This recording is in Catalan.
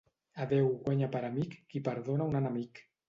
A Déu guanya per amic qui perdona un enemic.